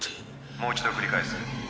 もう一度繰り返す。